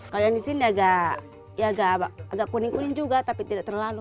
kalau yang di sini agak kuning kuning juga tapi tidak terlalu